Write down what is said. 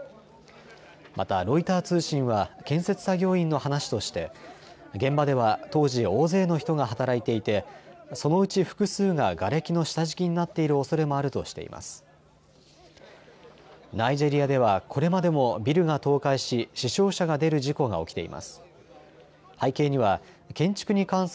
またロイター通信は建設作業員の話として現場では当時、大勢の人が働いていてそのうち複数ががれきの下敷きになっているおそれもあるとしています。